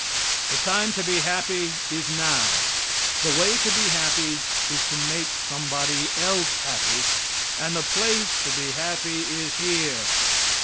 The time to be happy is now; the way to be happy is to make somebody else happy; and the place to be happy is here.